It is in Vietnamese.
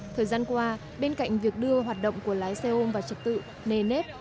thời gian qua bên cạnh việc đưa hoạt động của lái xe ôm vào trật tự nề nếp